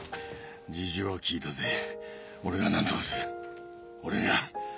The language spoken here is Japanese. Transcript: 事情は聞いたぜ俺が何とかする俺が。